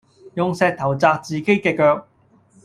用石頭砸自己嘅腳